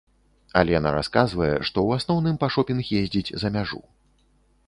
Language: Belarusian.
Алена расказвае, што ў асноўным па шопінг ездзіць за мяжу.